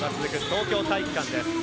東京体育館です。